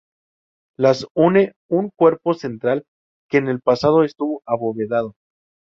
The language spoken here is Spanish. Las une un cuerpo central, que en el pasado estuvo abovedado.